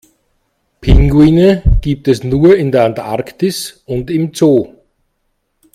Pinguine gibt es nur in der Antarktis und im Zoo.